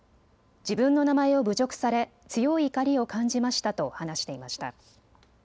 自分の名前を侮辱され強い怒りを感じましたと話していました。